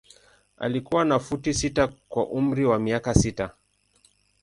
Alikuwa na futi sita kwa umri wa miaka sita.